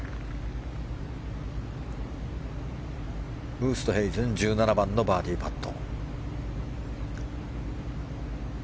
ウーストヘイゼン１７番のバーディーパット。